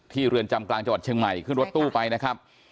เรือนจำกลางจังหวัดเชียงใหม่ขึ้นรถตู้ไปนะครับ